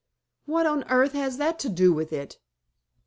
"What on earth has that to do with it?"